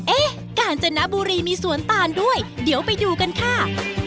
กาญจนบุรีมีสวนตาลด้วยเดี๋ยวไปดูกันค่ะ